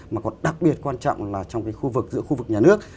mà còn đặc biệt quan trọng là trong cái khu vực giữa khu vực nhà nước